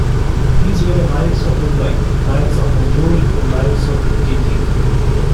These were the Nayaks of Madurai, Nayaks of Tanjore and Nayaks of Gingee.